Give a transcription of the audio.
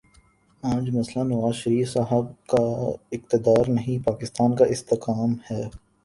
آج مسئلہ نواز شریف صاحب کا اقتدار نہیں، پاکستان کا استحکام ہے۔